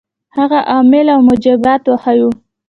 هغه عوامل او موجبات وښيیو.